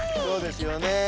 そうですよね。